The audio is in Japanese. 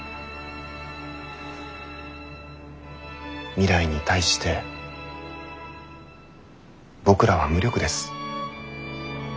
未来に対して僕らは無力です。